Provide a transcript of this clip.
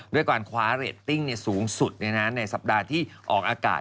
ด้วยการคว้าเรตติ้งสูงสุดในสัปดาห์ที่ออกอากาศ